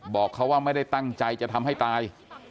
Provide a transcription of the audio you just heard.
บอกเขาว่าไม่ได้ตั้งใจจะทำให้ตาย